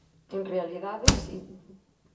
En realidade, si.